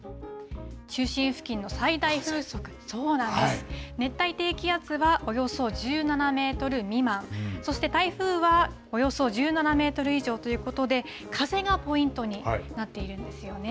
中心付近の最大風速、熱帯低気圧は、およそ１７メートル未満、そして台風はおよそ１７メートル以上ということで、風がポイントになっているんですよね。